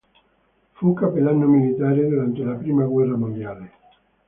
Fu cappellano militare durante la prima guerra mondiale.